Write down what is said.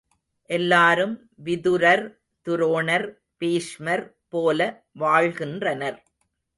எல்லாரும் விதுரர், துரோணர், பீஷ்மர் போல வாழ்கின்றனர்.